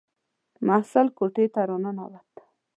محصل کوټې ته را ننووت.